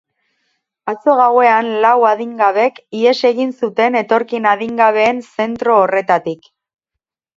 Atzo gauean lau adingabek ihes egin zuten etorkin adingabeen zentro horretatik.